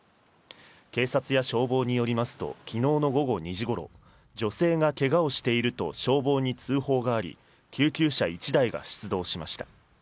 警察や消防によりますと、きのうの午後２時ごろ、女性がけがをしていると消防に通報があり、救急車１台が出動しました。